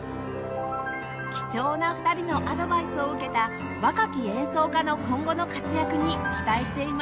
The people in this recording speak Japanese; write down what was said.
貴重な２人のアドバイスを受けた若き演奏家の今後の活躍に期待しています